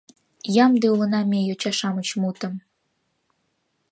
Ямде улына ме, Йоча-шамыч мутым